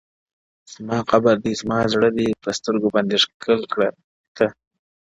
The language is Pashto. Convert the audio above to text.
زما قبر دى زما زړه دى په سترگو باندې ښكل كړه ته ـ